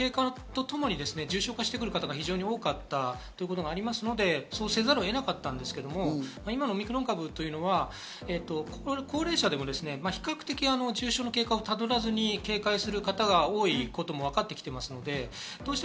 経過とともに重症化していく方が多かったということがありますので、そうせざるを得なかったんですけど、今のオミクロン株というのは高齢者でも比較的、重症の経過をたどらずに警戒する方が多いということがわかっています。